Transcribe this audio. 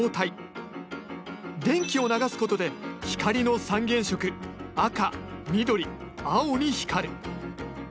電気を流すことで光の三原色赤緑青に光る。